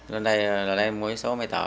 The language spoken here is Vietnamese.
lên đây mua vé số máy thờ